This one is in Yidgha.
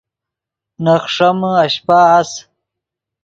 نے خݰیمے اشپہ اَس